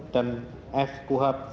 dan f kuhab